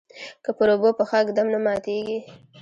که پر اوبو پښه ږدم نه ماتیږي.